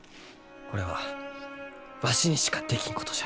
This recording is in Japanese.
これはわしにしかできんことじゃ。